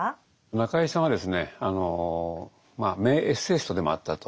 中井さんはですねまあ名エッセイストでもあったと。